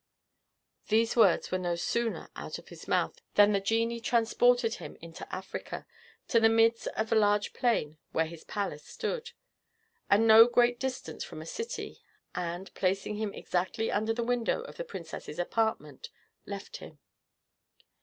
These words were no sooner out of his mouth, than the genie transported him into Africa, to the midst of a large plain, where his palace stood, at no great distance from a city, and, placing him exactly under the window of the princess's apartment, left him.